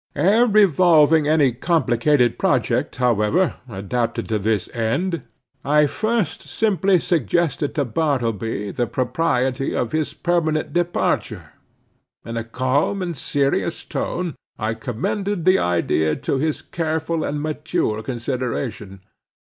Ere revolving any complicated project, however, adapted to this end, I first simply suggested to Bartleby the propriety of his permanent departure. In a calm and serious tone, I commended the idea to his careful and mature consideration.